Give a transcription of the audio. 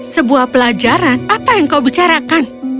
sebuah pelajaran apa yang kau bicarakan